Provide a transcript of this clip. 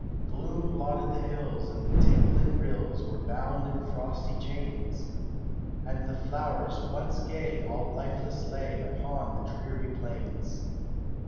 Gloom blotted the hills and the tinkling rills Were bound in frosty chains, And the flowers once gay all lifeless lay Upon the dreary plains.